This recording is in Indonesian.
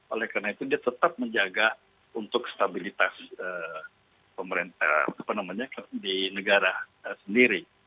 oleh karena itu dia tetap menjaga untuk stabilitas di negara sendiri